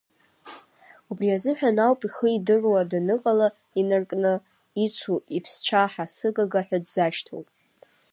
Убри азыҳәан ауп, ихы идыруа даныҟала инаркны ицу иԥсцәаҳа сыгага ҳәа дзашьҭоу.